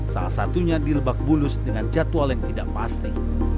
salah satunya di lebak bulus dengan jadwal yang tidak pasti